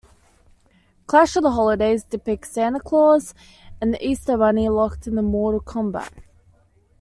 "Clash of the Holidays" depicts...Santa Claus and the Easter Bunny locked in mortal combat.